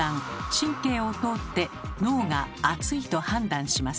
神経を通って脳が「熱い」と判断します。